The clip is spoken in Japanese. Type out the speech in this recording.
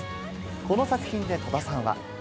この作品で戸田さんは。